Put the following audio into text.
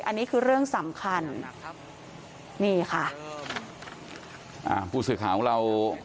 อันนี้คือเรื่องสำคัญนี่ค่ะอ่าผู้สื่อข่าวของเรา